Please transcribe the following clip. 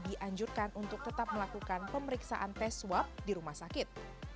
dianjurkan untuk tetap melakukan pemeriksaan tes swab di rumah sakit